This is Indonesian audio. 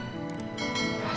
dan boneka itu